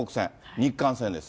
日韓戦です。